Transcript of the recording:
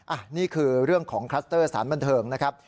อันนี้คือเรื่องของคลัสเตอร์สารบันเทิงนะครับ